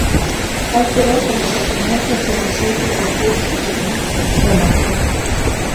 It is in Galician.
"Hai que ver como se pronuncia sobre esoutros recursos", remarcou.